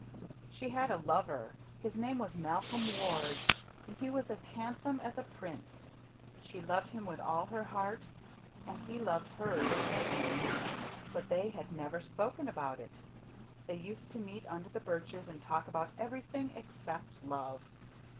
She had a lover. His name was Malcolm Ward and he was as handsome as a prince. She loved him with all her heart and he loved her the same; but they had never spoken about it. They used to meet under the birches and talk about everything except love.